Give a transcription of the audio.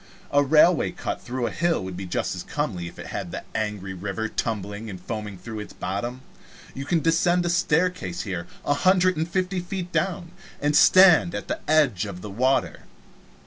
A railway "cut" through a hill would be as comely if it had the angry river tumbling and foaming through its bottom. You can descend a staircase here a hundred and fifty feet down, and stand at the edge of the water.